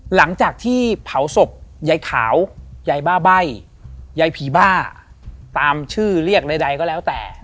หลังจากที่เผาศพยายขาวยายบ้าใบ้ยายผีบ้าตามชื่อเรียกใดก็แล้วแต่